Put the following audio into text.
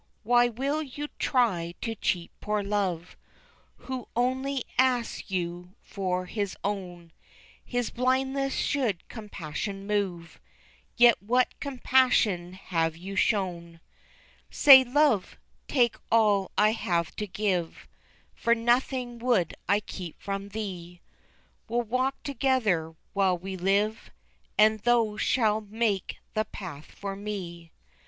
Why will you try to cheat poor love Who only asks you for his own, His blindness should compassion move, Yet what compassion have you shown? Say, "Love, take all I have to give, For nothing would I keep from thee, We'll walk together while we live, And thou shalt make the path for me."